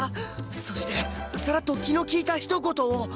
そしてサラッと気の利いたひと言を